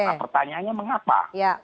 nah pertanyaannya mengapa